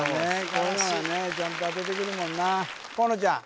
こういうのはねちゃんと当ててくるもんな河野ちゃん